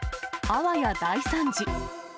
あわや大惨事。